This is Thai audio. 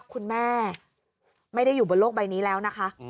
คุณแม่ไม่ได้อยู่บนโลกใบนี้แล้วนะคะ